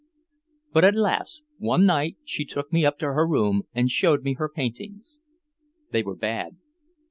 But alas. One night she took me up to her room and showed me her paintings. They were bad.